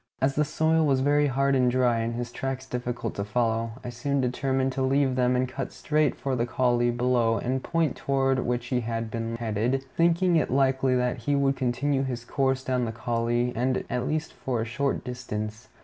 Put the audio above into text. As the soil was very hard and dry, and his tracks difficult to follow, I soon determined to leave them and cut straight for the coulée below the point toward which he had been headed, thinking it likely that he would continue his course down the coulée, at least for a short distance.